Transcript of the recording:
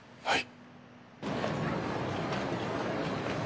はい。